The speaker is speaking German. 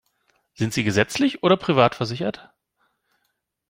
Sind Sie gesetzlich oder privat versichert?